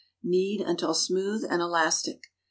Knead until smooth and elastic.